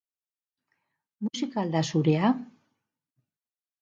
Musika al da zurea?